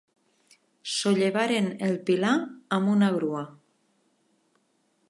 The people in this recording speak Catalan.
Sollevaren el pilar amb una grua.